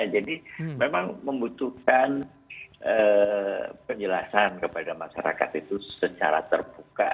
jadi memang membutuhkan penjelasan kepada masyarakat itu secara terbuka